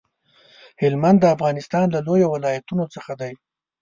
هلمند د افغانستان له لويو ولايتونو څخه دی.